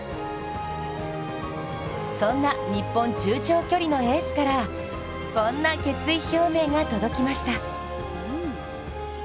そんなニッポン中長距離のエースからこんな決意表明が届きました。